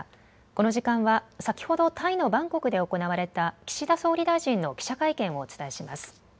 この時間は、先ほどタイのバンコクで行われた、岸田総理大臣の記者会見をお伝えします。